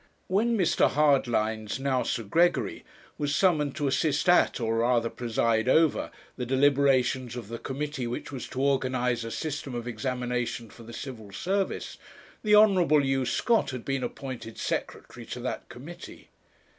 When Mr. Hardlines, now Sir Gregory, was summoned to assist at, or rather preside over, the deliberations of the committee which was to organize a system of examination for the Civil Service, the Hon. U. Scott had been appointed secretary to that committee.